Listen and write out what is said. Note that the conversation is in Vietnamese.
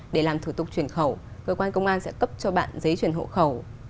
để làm thủ tục chuyển khẩu cơ quan công an sẽ cấp cho bạn giấy chuyển hộ khẩu